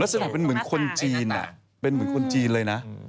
ลักษณะเป็นเหมือนคนจีนเป็นเหมือนคนจีนเลยนะ